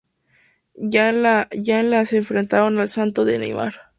Ya en la se enfrentaron al Santos de Neymar.